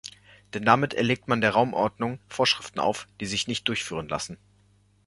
Denn damit erlegt man der Raumordnung Vorschriften auf, die sich nicht durchführen lassen.